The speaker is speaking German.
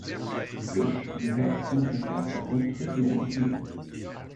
Wisch gehört zum Verkehrsverbund Region Kiel.